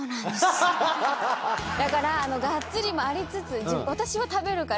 だからガッツリもありつつ私は食べるから。